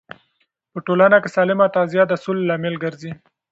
په ټولنه کې سالمه تغذیه د سولې لامل ګرځي.